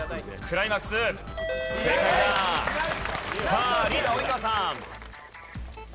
さあリーダー及川さん。